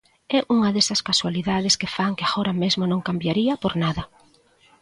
É unha desas casualidades que fan que agora mesmo non cambiaría por nada.